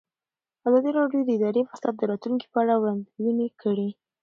ازادي راډیو د اداري فساد د راتلونکې په اړه وړاندوینې کړې.